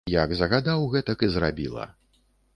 Як загадаў, гэтак і зрабіла.